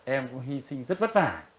em cũng hy sinh rất vất vả